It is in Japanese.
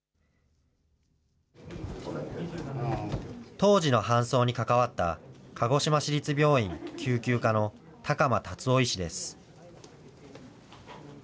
当時の搬送に関わった、鹿児島市立病院救急科の高間辰雄医師です。